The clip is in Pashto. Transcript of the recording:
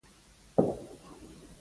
د سراج الاخبار ژباړه ډیره درنه وه.